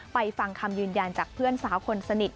ฟังคำยืนยันจากเพื่อนสาวคนสนิท